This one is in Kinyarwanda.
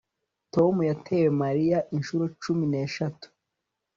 Tom yateye Mariya inshuro cumi neshatu